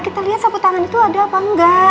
kita lihat sapu tangan itu ada apa enggak